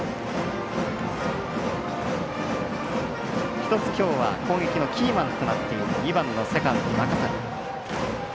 １つ、きょうは攻撃のキーマンとなっている２番のセカンド、中谷。